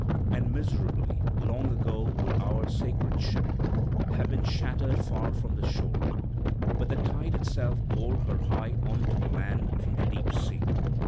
And miserably long ago would our sacred ship have been shattered far from the shore; but the tide itself bore her high on to the land from the deep sea.